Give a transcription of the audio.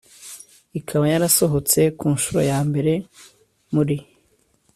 ikaba yarasohotse ku nshuro ya mbere muri